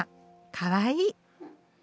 かわいい。